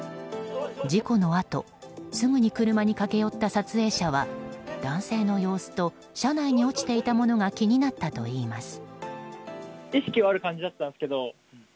事故のあとすぐに車に駆け寄った撮影者は男性の様子と車内に落ちていたものが気になったといいます。